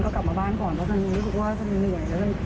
เค้าให้คำสุขัยังไงบ้าง